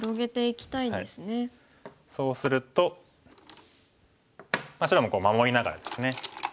そうすると白も守りながらですね